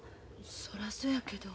そらそうやけど。